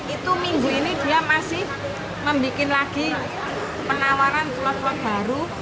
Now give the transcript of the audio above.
itu minggu ini dia masih membuat lagi penawaran slot slot baru